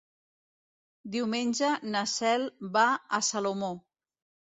Diumenge na Cel va a Salomó.